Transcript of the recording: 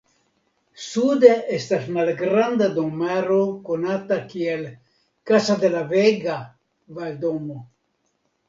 Sude estas malgranda domaro konata kiel "Casa de la Vega" (Valdomo).